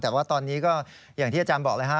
แต่ว่าตอนนี้ก็อย่างที่อาจารย์บอกเลยฮะ